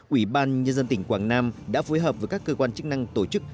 ủy ban nhân dân tỉnh quảng nam đã phối hợp với các cơ quan chức năng tổ chức